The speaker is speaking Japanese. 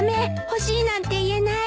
欲しいなんて言えない